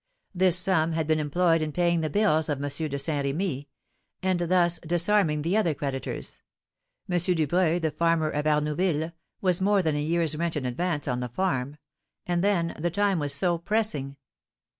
This sum had been employed in paying the bills of M. de Saint Remy, and thus disarming the other creditors; M. Dubreuil, the farmer of Arnouville, was more than a year's rent in advance on the farm; and, then, the time was so pressing.